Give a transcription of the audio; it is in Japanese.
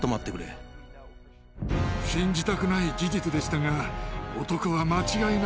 信じたくない事実でしたが。